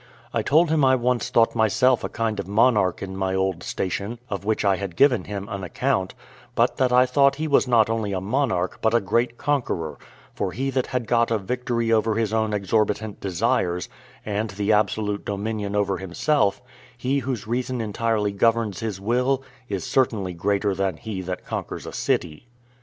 I told him I once thought myself a kind of monarch in my old station, of which I had given him an account; but that I thought he was not only a monarch, but a great conqueror; for he that had got a victory over his own exorbitant desires, and the absolute dominion over himself, he whose reason entirely governs his will, is certainly greater than he that conquers a city.